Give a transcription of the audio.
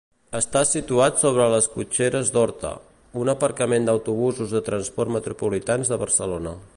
Està situat sobre les Cotxeres d'Horta, un aparcament d'autobusos de Transports Metropolitans de Barcelona.